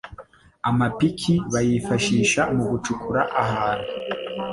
amapiki bayifashisha mugucukura ahantu